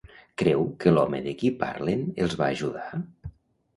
Creu que l'home de qui parlen els va ajudar?